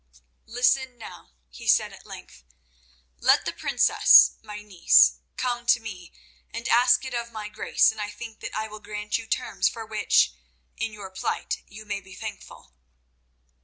"Listen, now," he said at length. "Let the princess, my niece, come to me and ask it of my grace, and I think that I will grant you terms for which, in your plight, you may be thankful."